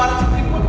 wah itu suara